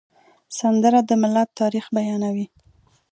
سندره د ملت تاریخ بیانوي